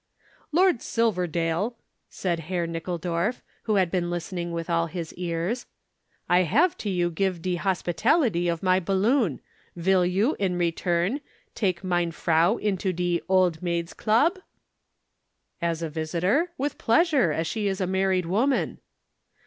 "Lord Silverdale," said Herr Nickeldorf, who had been listening with all his ears, "I hafe to you give de hospitality of my balloon. Vill you, in return, take mein frau into de Old Maids' Club?" "As a visitor? With pleasure, as she is a married woman."